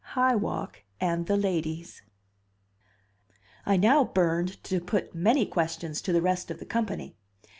X: High Walk and the Ladies I now burned to put many questions to the rest of the company.